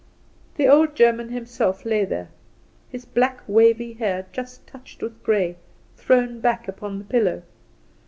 The old German himself lay there, his wavy black hair just touched with grey thrown back upon the pillow.